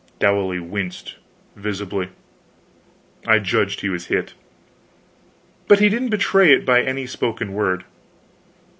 Dowley winced, visibly. I judged he was hit. But he didn't betray it by any spoken word.